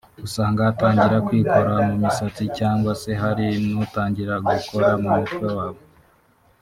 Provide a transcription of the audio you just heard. usanga atangira kwikora mu misatsi cyangwa se hari n’utangira gukora mu mutwe wawe